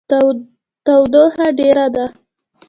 تودوخه ډیره ده